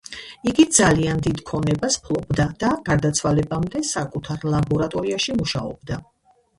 იგი ძალიან დიდ ქონებას ფლობდა და გარდაცვალებამდე საკუთარ ლაბორატორიაში მუშაობდა.